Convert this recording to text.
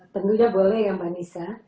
tentunya boleh ya mbak nisa